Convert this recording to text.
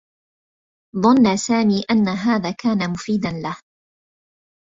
ظنّ سامي أنّ هذا كان مفيدا له.